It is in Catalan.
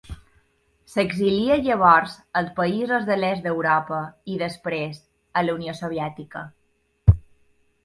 S'exilia llavors als països de l'est d'Europa i després a la Unió Soviètica.